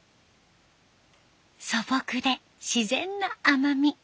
素朴で自然な甘み。